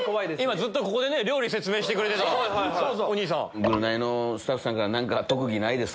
ずっとここで料理説明してくれてたお兄さん。